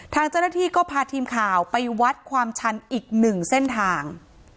ทางเจ้าหน้าที่ก็พาทีมข่าวไปวัดความชันอีกหนึ่งเส้นทาง